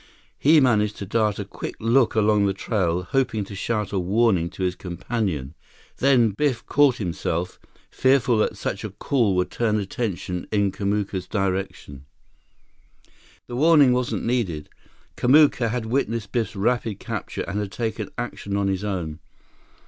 He managed to dart a quick look along the trail hoping to shout a warning to his companion. Then, Biff caught himself, fearful that such a call would turn attention in Kamuka's direction. The warning wasn't needed. Kamuka had witnessed Biff's rapid capture and had taken action on his own.